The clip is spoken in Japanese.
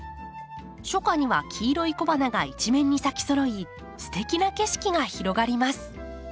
初夏には黄色い小花が一面に咲きそろいすてきな景色が広がります。